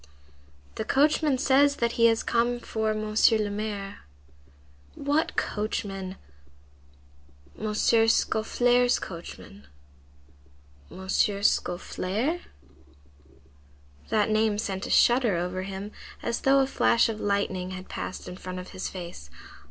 "The coachman says that he has come for Monsieur le Maire." "What coachman?" "M. Scaufflaire's coachman." "M. Scaufflaire?" That name sent a shudder over him, as though a flash of lightning had passed in front of his face.